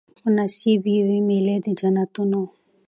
په نصیب یې وي مېلې د جنتونو